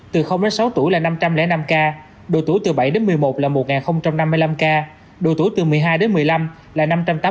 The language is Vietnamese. từ đến sáu tuổi là năm trăm linh năm ca độ tuổi từ bảy đến một mươi một là một năm mươi năm ca độ tuổi từ một mươi hai đến một mươi năm là năm trăm tám mươi tám